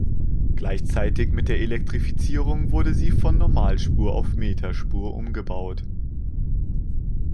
Gleichzeitig mit der Elektrifizierung wurde sie von Normalspur auf Meterspur umgebaut.